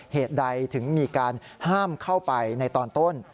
เหตุใดถึงมีการห้ามเข้าไปในตอนต้น